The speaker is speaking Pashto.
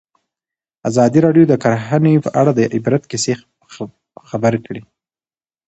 ازادي راډیو د کرهنه په اړه د عبرت کیسې خبر کړي.